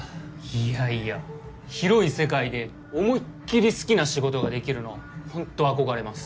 いやいや広い世界で思いっきり好きな仕事ができるのほんと憧れます。